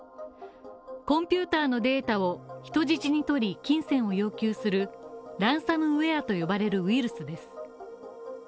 コンピュータのデータを人質に取り、金銭を要求するランサムウェアと呼ばれるウイルスです。